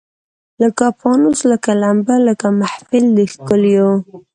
لکه پانوس لکه لمبه لکه محفل د ښکلیو